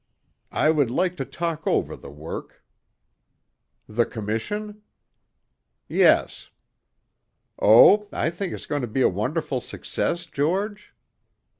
"I would like to talk over the work." "The Commission?" "Yes." "Oh, I think it's going to be a wonderful success, George?"